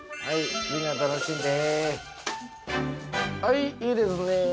はいいいですね